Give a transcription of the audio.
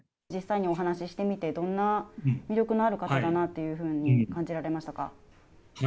実際にお話ししてみて、どんな魅力のある方だなというふうに感じられましたか？